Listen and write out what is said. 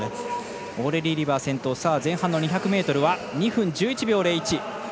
オーレリー・リバー先頭前半２００ｍは２分１１秒０１。